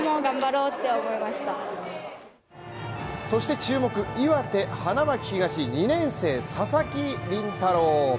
そして岩手・花巻東、２年生、佐々木麟太郎。